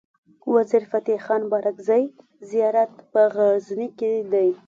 وزیر فتح خان بارګزی زيارت په غزنی کی دی